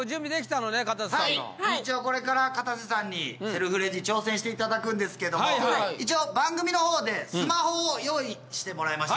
一応これからかたせさんにセルフレジ挑戦していただくんですけども一応番組の方でスマホを用意してもらいました。